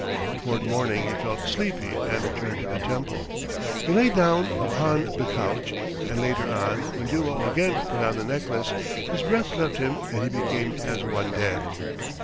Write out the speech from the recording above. Toward morning he felt sleepy and returned to the temple. He lay down upon the couch, and later on, when Duo again put on the necklace, his breath left him, and he became as one dead.